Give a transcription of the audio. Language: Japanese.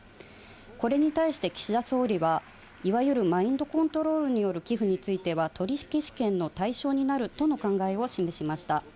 これに対して岸田総理は、いわゆるマインドコントロールによる寄付については、取消権の対象になると考えを示しました。